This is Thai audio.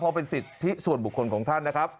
เพราะเป็นสิทธิส่วนบุคคลของท่านนะครับ